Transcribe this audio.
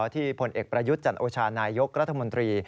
ผลเอกประยุทธ์จันโอชานายกรัฐมนตรี